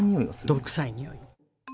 どぶ臭いにおい。